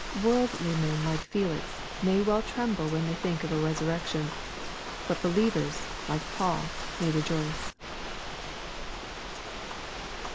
Worldly men like Felix, may well tremble when they think of a resurrection. But believers, like Paul, may rejoice.